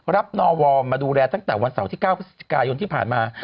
นอวมาดูแลตั้งแต่วันเสาร์ที่๙พฤศจิกายนที่ผ่านมา